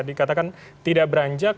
dikatakan tidak beranjak